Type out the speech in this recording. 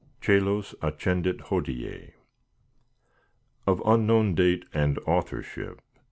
CŒLOS ASCENDIT HODIE Of unknown date and authorship.